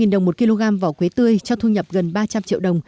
bốn mươi đồng một kg vỏ quế tươi cho thu nhập gần ba trăm linh triệu đồng